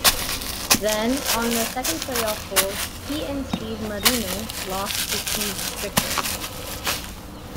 Then, on the second playoff hole, he and Steve Marino lost to Steve Stricker.